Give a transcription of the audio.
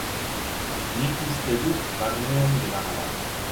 Nik uste dut barnean neramala.